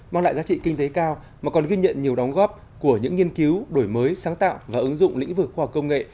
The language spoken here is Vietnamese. mang lại giá trị kinh tế cao mà còn ghi nhận nhiều đóng góp của những nghiên cứu đổi mới sáng tạo và ứng dụng lĩnh vực khoa học công nghệ